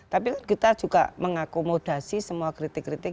tapi kita juga mengakomodasi semua kritik kritik